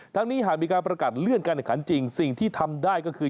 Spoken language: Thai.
นี้หากมีการประกาศเลื่อนการแข่งขันจริงสิ่งที่ทำได้ก็คือ